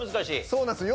そうなんですよ。